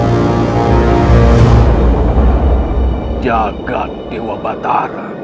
membuat kalian lebih menyiapkan